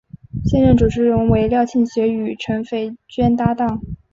现任主持人为廖庆学与陈斐娟搭档。